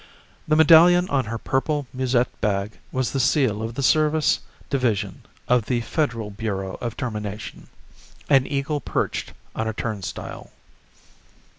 The medallion on her purple musette bag was the seal of the Service Division of the Federal Bureau of Termination, an eagle perched on a turnstile.